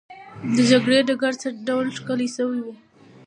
د جګړې ډګر څه ډول ښکلی سوی وو؟